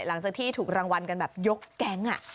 หลังจากที่ถูกรางวัลกันแบบยกแก๊ง